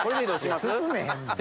進まへん。